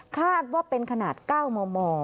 คาดว่าเป็นขนาด๙มม